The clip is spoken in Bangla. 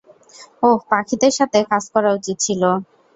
ওহ, পাখিদের সাথে কাজ করা উচিত ছিল।